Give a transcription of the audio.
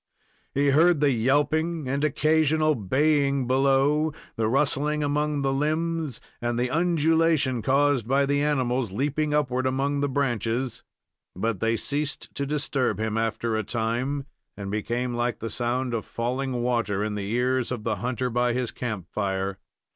He heard the yelping and occasional baying below, the rustling among the limbs, and the undulation caused by the animals leaping upward among the branches; but they ceased to disturb him after a time, and became like the sound of falling water in the ears of the hunter by his camp fire.